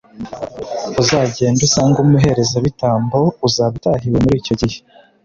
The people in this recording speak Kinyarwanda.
uzagende usange umuherezabitambo uzaba utahiwe muri icyo gihe,